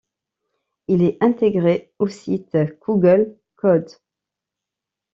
Il est intégré au site Google Code.